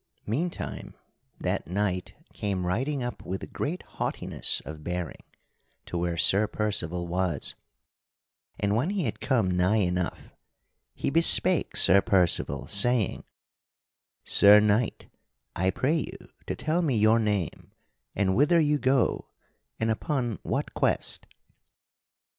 [Sidenote: Sir Percival bespeaketh the strange knight] Meantime that knight came riding up with great haughtiness of bearing to where Sir Percival was, and when he had come nigh enough he bespake Sir Percival, saying: "Sir Knight, I pray you to tell me your name and whither you go, and upon what quest?"